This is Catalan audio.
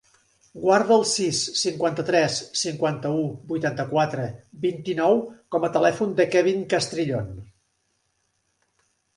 Guarda el sis, cinquanta-tres, cinquanta-u, vuitanta-quatre, vint-i-nou com a telèfon del Kevin Castrillon.